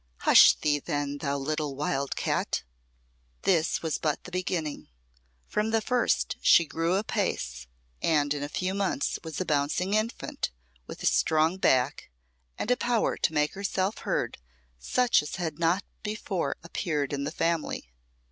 Hush thee, then, thou little wild cat." This was but the beginning. From the first she grew apace, and in a few months was a bouncing infant, with a strong back, and a power to make herself heard such as had not before appeared in the family.